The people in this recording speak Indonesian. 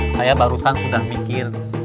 saya barusan sudah mikir